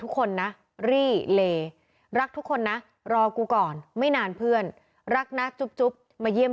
ทุกคนนะรี่เลรักทุกคนนะรอกูก่อนไม่นานเพื่อนรักนะจุ๊บมาเยี่ยม